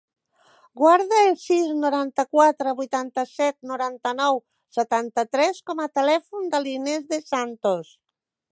Guarda el sis, noranta-quatre, vuitanta-set, noranta-nou, setanta-tres com a telèfon de l'Inès De Santos.